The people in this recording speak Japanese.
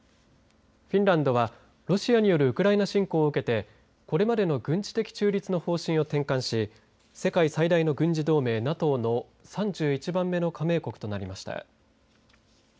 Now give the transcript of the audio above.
フィンランドはロシアによるウクライナ侵攻を受けてこれまでの軍事的中立の方針を転換し世界最大の軍事同盟ＮＡＴＯの３１番目の加盟国となりました。